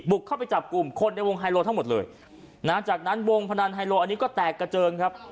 เข้าไปจับกลุ่มคนในวงไฮโลทั้งหมดเลยนะจากนั้นวงพนันไฮโลอันนี้ก็แตกกระเจิงครับ